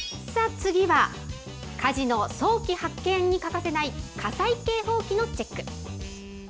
次は、火事の早期発見に欠かせない火災警報器のチェック。